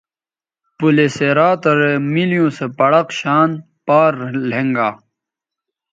پلِ صراط رے مِیلیوں سو پڑق شان پار لھنگا